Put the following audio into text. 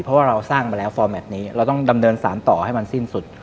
เพราะว่าเราสร้างมาแล้วฟอร์แมทนี้เราต้องดำเนินสารต่อให้มันสิ้นสุด